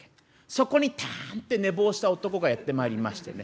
そこにタンって寝坊した男がやってまいりましてね